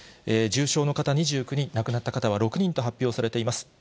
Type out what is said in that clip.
重症の方２９人、亡くなった方は６人と発表されています。